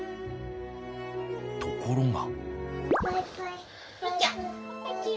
ところが。